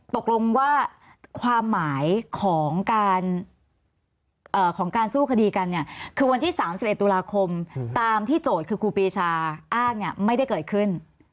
ตกลงว่าความหมายของการสู้คดีกันเนี่ยคือวันที่๓๑ตุลาคมตามที่โจทย์คือครูปีชาอ้างเนี่ยไม่ได้เกิดขึ้น